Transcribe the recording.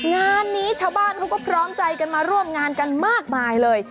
งานนี้ชาวบ้านเขาก็พร้อมใจกันมาร่วมงานกันมากมายเลย